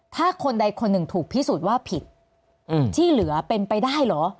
ถ้าคนใดคนหนึ่งถูกพิสูจน์ว่าผิดที่เหลือเป็นไปได้เหรอ